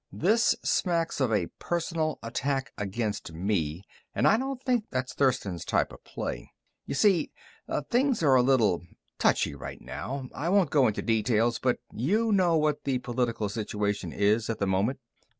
This smacks of a personal attack against me, and I don't think that's Thurston's type of play. "You see, things are a little touchy right now. I won't go into details, but you know what the political situation is at the moment.